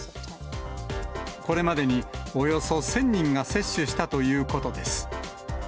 これまでにおよそ１０００人が接種したということです。